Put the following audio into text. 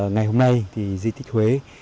ngày hôm nay thì di tích huế